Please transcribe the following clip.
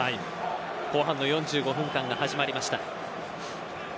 後半の４５分間が始まりました。